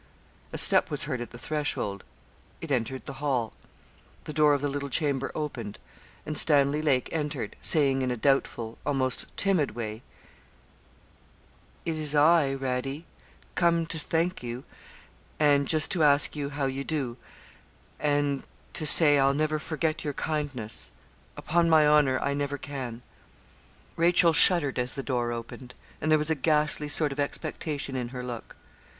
A step was heard at the threshold it entered the hall; the door of the little chamber opened, and Stanley Lake entered, saying in a doubtful, almost timid way 'It is I, Radie, come to thank you, and just to ask you how you do, and to say I'll never forget your kindness; upon my honour, I never can.' Rachel shuddered as the door opened, and there was a ghastly sort of expectation in her look.